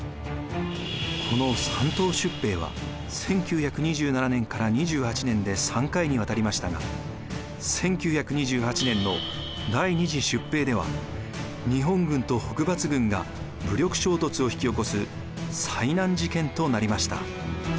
この山東出兵は１９２７年から１９２８年で３回にわたりましたが１９２８年の第２次出兵では日本軍と北伐軍が武力衝突をひきおこす済南事件となりました。